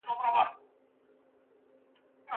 په لویه جرګه کي د امنیت له پاره څه تدابیر نیول کېږي؟